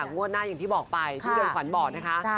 งวดหน้าอย่างที่บอกไปที่เรือนขวัญบอกนะคะ